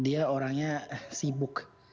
dia orangnya sibuk